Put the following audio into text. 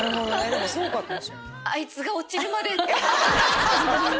でもそうだったかもしれない。